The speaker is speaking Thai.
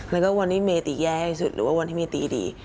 แล้วก็วันที่เมตีแย่ที่สุดหรือว่าวันที่เมตีดี